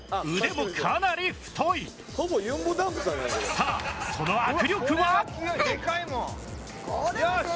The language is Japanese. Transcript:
さあその握力は？よし！